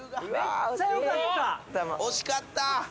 惜しかった。